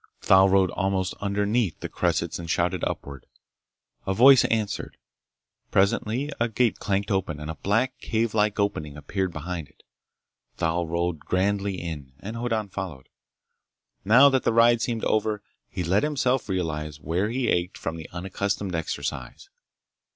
Thal rode almost underneath the cressets and shouted upward. A voice answered. Presently a gate clanked open and a black, cavelike opening appeared behind it. Thal rode grandly in, and Hoddan followed. Now that the ride seemed over, he let himself realize where he ached from the unaccustomed exercise.